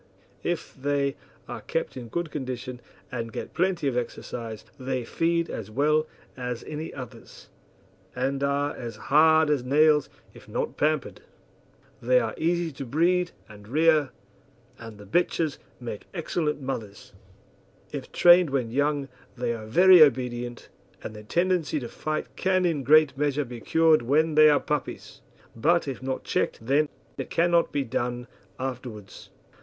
If they are kept in good condition and get plenty of exercise they feed as well as any others, and are as hard as nails if not pampered. They are easy to breed and rear, and the bitches make excellent mothers. If trained when young they are very obedient, and their tendency to fight can in a great measure be cured when they are puppies; but, if not checked then, it cannot be done afterwards.